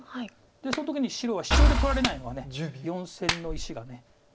その時に白はシチョウで取られないのは４線の石が。